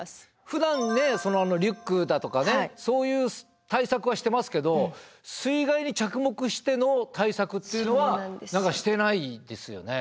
ふだんリュックだとかねそういう対策はしてますけど水害に着目しての対策っていうのはしてないですよね。